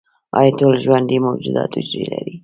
ایا ټول ژوندي موجودات حجرې لري؟